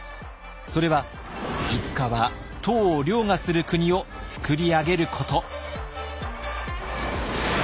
それはいつかは唐を凌駕する国をつくり上げること。